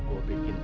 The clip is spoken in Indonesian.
ibu capek kan